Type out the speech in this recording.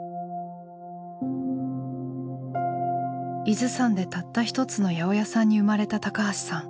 伊豆山でたった一つの八百屋さんに生まれた橋さん。